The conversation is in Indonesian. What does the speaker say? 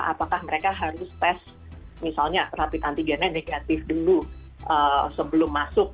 apakah mereka harus tes misalnya rapid antigennya negatif dulu sebelum masuk